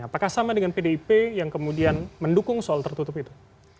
apakah sama dengan pdip yang kemudian mendukung soal tertutup itu